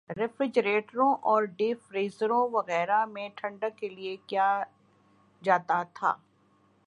ریفریجریٹروں اور ڈیپ فریزروں وغیرہ میں ٹھنڈک کیلئے کیا جاتا تھا